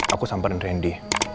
aku samperin randy